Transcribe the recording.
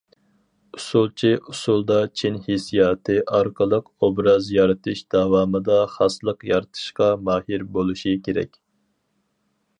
ئۇسسۇلچى ئۇسسۇلدا چىن ھېسسىياتى ئارقىلىق ئوبراز يارىتىش داۋامىدا خاسلىق يارىتىشقا ماھىر بولۇشى كېرەك.